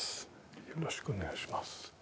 よろしくお願いします。